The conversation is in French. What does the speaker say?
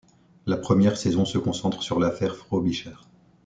La première saison se concentre sur l'affaire Frobisher.